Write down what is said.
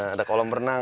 ada kolam berenang